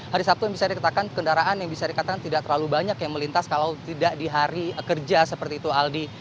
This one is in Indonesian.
hari sabtu yang bisa dikatakan kendaraan yang bisa dikatakan tidak terlalu banyak yang melintas kalau tidak di hari kerja seperti itu aldi